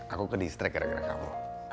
aku ke distrik gara gara kamu